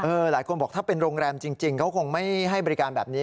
หลายคนบอกถ้าเป็นโรงแรมจริงเขาคงไม่ให้บริการแบบนี้